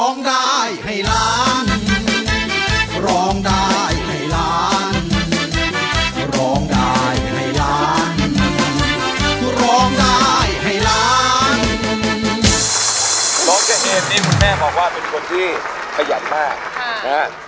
เจ๊เอมนี่คุณแม่บอกว่าเป็นคนที่ขยันมากนะฮะ